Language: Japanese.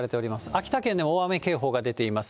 秋田県でも大雨警報が出ています。